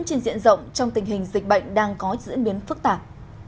trên diện rộng trong tình hình dịch bệnh đang có diễn biến phức tạp